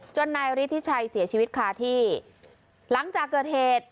นายฤทธิชัยเสียชีวิตคาที่หลังจากเกิดเหตุ